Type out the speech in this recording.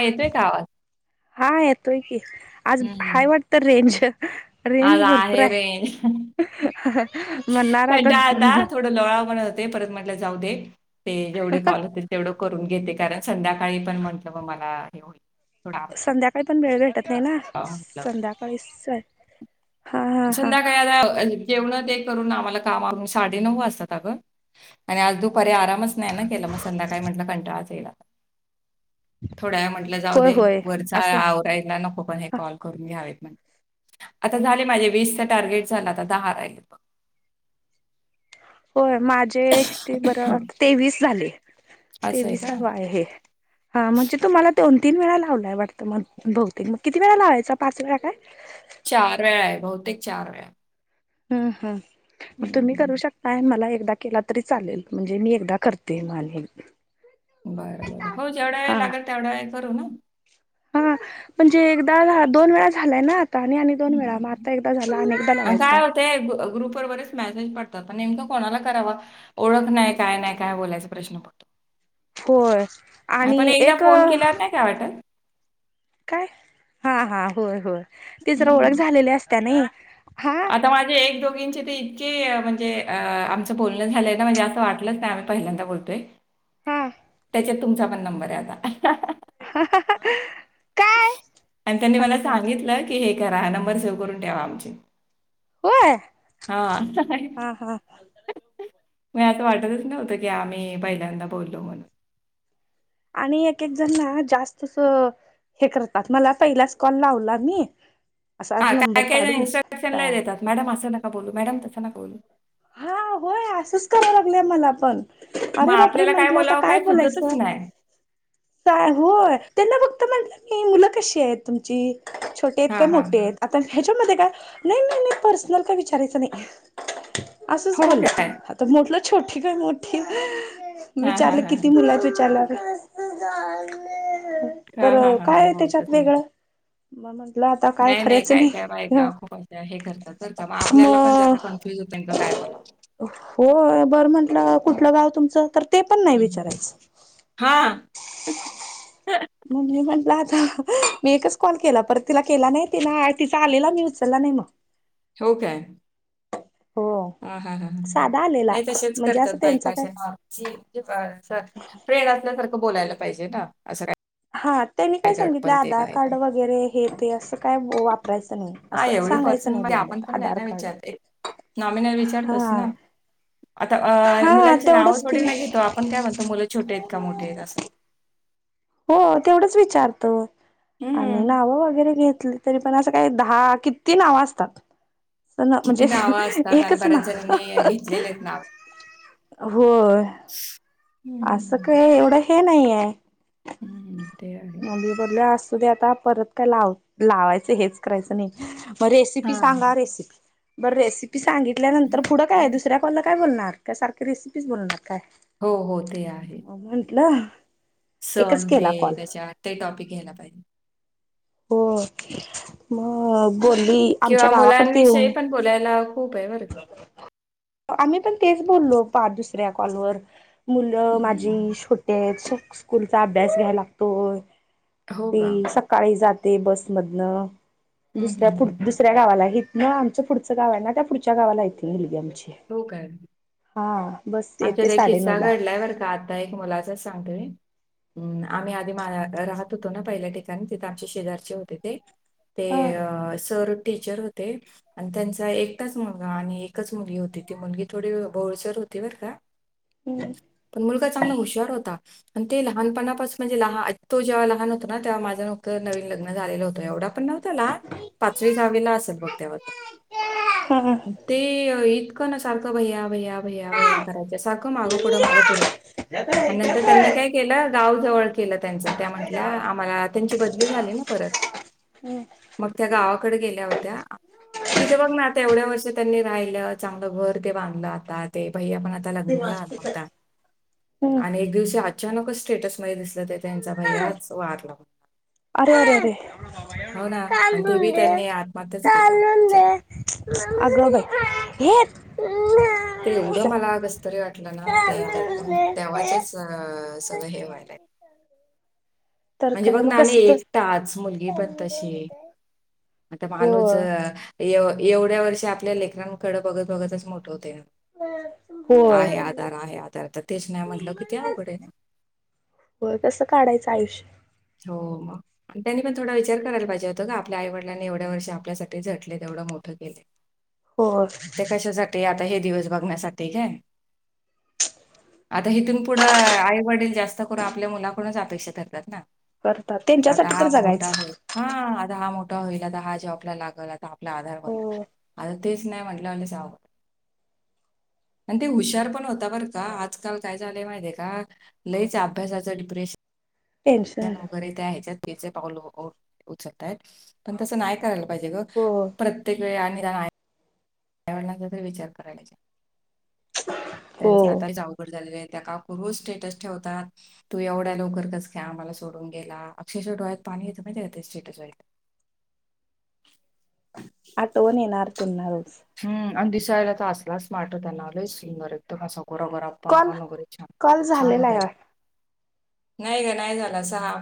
येतोय का आवाज हा येतोय की.. आज हाय हम्म. वाटत रेंज रेंज आज भरपूर आहे... रेंज. मणा... आता थोडं लोळा पण होते परत म्हटलं जाऊ दे ते जेवढे कॉल होतील तेवढं... करून घेते कारण संध्याकाळी पण म्हट म मला हे... थोडा अर्धा संध्याकाळी.... पण वेळ भेटत नाही तास, ना अं, म्हटलं. संध्याकाळीसर हा हा हा संध्याकाळी आता जेवण ते करून आम्हाला काम साडे नऊ वाजताात अगं आणि आज दुपारी आराम... नाही केलं मग संध्याकाळी म्हटलं कंटाळ.. थोड्या व म्हंटलं जाऊ होय दे होय वरचा असं आवरायला नको पण हे कॉल करून घ्या.... आ झाली माझी वीस टार्गेट झालं आ दहा राहि... [inaudible] माझे ते बरं तेवीस झाले असं आहे का? तेवीसाव आहे.. हा म्हणजे तुम्हाला दोन तीन वेळा लावलाय वाटतं म बहुतेक मग किती वेळा लावायचा पाच वेळा काय? चार वेळा आहे बहुतेक चार वेळा... हम् हम तुम्ही करू हम्म. शकताय मला... एकदा केला तरी चालेल म्हणजे मी एकदा करते माले.. बर बर हो जेवढा वेळ लागेल तेवढा वेळ करू ना... हा म्हणजे एकदा दोन वेळा झालाय ना.. आणि, आणि, दोन वेळा मग हम्म. आता एकदा झाला आणि एकदा काय करायचा. होते ग्रुपवर बरेच मेसेज पडतात प नेमकं कोणाला करावा, ओळख नाही, काय नाही, काय बोलायचा प्रश्न पडतो. होय, नाही पण आणि एकदा फोन एकऽऽ केल्यावर नाही काय वाटत काय? हा, हा, होय, होय ति जरा ओळख हम्म. झालेली असत नाही. हा आता माझे एक दोघींची ती जे ऽऽम्हणजे अंऽआमच बोलण झालंय ना, म्हणजे असं वाटलंच नाही आम्ही पहिल्यांदा बोलतोय. हम तुमचा पण नंबरय आता. हह हहहहह आणि त्यांनी मला सांगितलं की हे करा, नंबर सेव्ह करून ठेवा आमची. होय! हा. हा हा म असं वाटतचं नव्हतं की आम्ही पहाल्यांदा बोललो. आणि एक एक जणना जास्त असं. हे करतात, मला पहिल्याच कॉल लावला नी हां, काय, काय जणं इन्स्ट्रक्शन लय देतात, मॅडम असं नका बोलू, मॅडम तसं नका बोलू, हा, होय, असंच कराव लागल्या मला पण. मग अरे बापरे! आपल्याला म्हंटलं आता बोलावं काय सुचतच बोलायचं. नाही. काय, होय, त्यांना बघऽऽ आता म्हटलं की,, मुलं कशीय आहेत तुमची,, छोटीयत का हां, हां. मोठीयत, आता ह्याच्यामध्ये नाही, नाही, नाही, पर्सनल काय विचारायच नाही, असच हो बोला,, काय? आताऽऽ छोटी का मोठी,,, हां, हां, विचारलं हां, किती हां. मुलं या त विचारलंऽऽ हां, हां, तर हां, हां. काय? हो त्याच्यात तसं होतं. वेगळं,, म म्हऽ नाही, नाही, काय, काय बायका खूपं हेऽ करतात बरं का,, मग आपल्याला पण जरा कन्फ्युज होतय. होऽय,, बरं म्हंटलं अं कुठलं गाव तुमचं तरऽऽ ते पण नाही हं, हं. विचारायचं. हां. मणी म्हटलं आता. मी एकच कॉल केला परत, तिला केला नाही, तिनं तिचा आलेला मी उचलला नाही मऽऽ हो काय. हो ह, हा, हा साधा आलेला नाही, तसेच म्हणजे करतात असं बायका त्यांचा काय आशा नॉर्मलऽऽ फ्रेंड असल्यासारखं बोलायला पाहिजे ना असं कायऽऽ हा. त्यांनी काय सांगितलं आधार कार्ड वगैरे हे ते असं काय वापऽऽ करायचं नाही, हा असं एवढी सांगायचं पर्सनल नाही, म्हणजे बोलले आपण पण नाही आधार कार्ड ना म ना विचार तोच दस हा ना. आता अऽऽ हा मुलांची नावं तेवढंच ते थोडीनां घेतो आपण, काय म्हणतो मुलं छोटे आहेत का मोठे आहेत असं. होऽऽ तेवढच विचारतो,, आणि हम्म. नाव वगैरे घेतऽऽ लं तरी पण असं काही दहा, किऽती नावं असतात. ना किती म्हणजे, नावं असतात आणि एकच बऱ्याच जणींनी नाऽऽव घेतलेले आहेत नाव. होऽय,, असं हम्म, काय एवढं हे नाहीयय. हम्म, हम् मग मी बोललो,, असूदे आता परत काय लाव, लावायचं हेच करायचं नाही. म रेसिपी हा. सांगा,, रेसिपी, बरं रेसिपी सांगितल्यानंतर पुढं काय? य दुसऱ्या कॉलला काय बोलणार. का सारंख रेसिपीज बनवणार काय? हो, हो, ते ऽआहे. मग म्हंटलं एकच सण केला ते, कॉल त्याच्या ते टॉपिक घ्यायला पाहिजे. हो, मग बोलली, आमच्या किंवा गावाकडती मुलांविषयी येऊनऽऽ पण बोलायला खूप आहे बरं का. आम्ही पण तेच बोललो, पार दुसऱ्या कॉलवर. मुलं माझी हम्म. छोटी आहेत, स्कूलचा अभ्यास घ्याय लागतोय. हो का? तीऽ सकाळी जाते बसमधनं, हं, हं, दुसऱ्या हं. दुसऱ्या गावालाय हि न आमचं पुढंचं गाव आहे ना, त्या पुढच्या गावाला य ती मुलगी आमची. हो काय! हा बस येते आमच्यात एक साडेनऊ किस्सा ला घडलाय बरं का आता एक मुलाचाच सांगते हम्म आम्ही आधी मा राहत होतो ना पहिल्या ठिकाणी तिथे आमचे शेजारचे होते ते हा ते सर टीचर होते आणि त्यांचा एकटच मुलगा आणि एकच मुली ती मुलगी थोडी भोळसर होती बर का हम्म. पण मुलगा चांगला हुशार होता आणि ते लहानपणापास म्हणजे लहान तो जेव्हा लहान होतो ना तेव्हा माझ नुकत नवीन लग्न झालेलं होतं एवढा पण नव्हता ला पाचवी सहावी लाअसेल बघ तेव्हा तो हा. ते इ न सारखं भैया भैया भैया भैया करायचे सारख मागं पुढं मागं पुढं आणि नंतर त्यांनी काय केलं गाव जवळ केलं त्यांच त्या म्हंटल्या आम्हाला त्यांची बदली झाली ना परत हम्म. मग त्या का गावा कडे गेल्या होत्या तिथ बघ ना एवढ्या वर्ष त्यांनी राहिल चांगलं घर ते बांधलं आता ते भैया पण आता लग्नाला आला होता आणि एक दिवशी अचानकच स्टेटसमध्ये दिसलं ते त्यांचा भैयाच वारला होता अरे अरे अरे हो ना आणि ते बी त्यांनी आत्महत्याच केल्या बिचाऱ्या. [unintelligible] [unintelligible] ते एवढं मला कसतरी वाटत लं ना ते ऐकून तेव्हाचेच सगळं हे व्हायलाय तर म्हणजे काय बघ मग ना नाही कसं तर एकटाच मुलगी पण तशी होय आता माणूज य एवढ्या वर्ष आपल्या लेकरांकड बघत बघतच मोठं होते ना होय आहे आधार आहे आधार तर तेच नाही म्हटलं किती अवघडे हो कसं काढायचं आयुष्य हो मग त्यांनी पण थोडा विचार करायला पाहिजे होतं का आपल्या आई वडलांनी एवढ्या वर्ष आपल्यासाठी झटलेत एवढं मोठ केलय हो ते कशासाठी हे दिवस बघण्यासाठी काय आता हथून पुढं आईवडील जास्त करून आपल्या मुलाकडूनच अपेक्षा करतात ना करतात आता त्यांच्यासाठी तर हा मोठा जगायचं होय हा आता हा मोठा मोठा होईला तर हा जॉबला लागलं आता आपला आधार बनल हो आता तेच नाही म्हट सवं [unintelligible] आणि ते हुशार पण होता बरं का आजकाल काय झालंय माहितीय का लईच अभ्यासाचं डिप्रेशन न टेन्शन वगैरे ते ह्याच्यात त्याचे पाऊल उचलतयत पण तसं नाही करायला लागत पाहिजे ग हो प्रत्येक वेळी आणि रा त्यालांचा विचार करायण्याचा हो त्यांच आताही अवघड झाले आहेत त्या काकू रोज स्टेटस ठेवतात तू एवढ्या लवकर कस काय आम्हाला सोडून गेला अक्षरशः डोळ्यात पाणी पाणी येत ते स्टेटस पाहिलं की [inaudible] आठवण येणार पुन्हा हम्म आणि दिसायला तर असलाच स्मार्ट होता ना सिंगर एकदम असा गोरा कॉल गोरापान वैगरे छान, कॉल छान झालेला होता आहे एकदम, नाही ग नाही झाला असहा